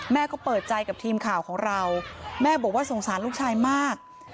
แม่ก็เปิดใจกับทีมข่าวของเราแม่บอกว่าสงสารลูกชายมาก